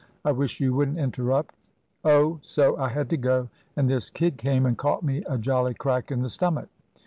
"I wish you wouldn't interrupt. Oh, so I had to go, and this kid came and caught me a jolly crack in the stomach."